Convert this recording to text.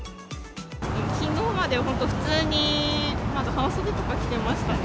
きのうまで本当、普通に半袖とか着てましたね。